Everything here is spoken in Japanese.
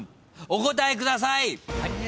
お答えください！